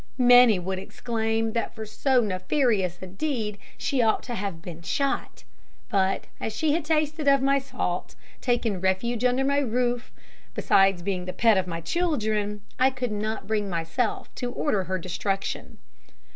Many would exclaim that for so nefarious a deed she ought to have been shot; but as she had tasted of my salt, taken refuge under my roof, besides being the pet of my children, I could not bring myself to order her destruction.